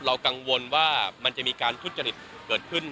กังวลว่ามันจะมีการทุจริตเกิดขึ้น